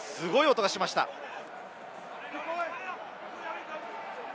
すごい音がしました。